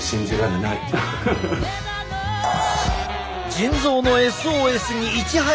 腎臓のＳＯＳにいち早く気付き